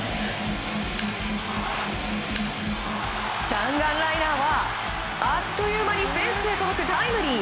弾丸ライナーはあっという間にフェンスへ届くタイムリー！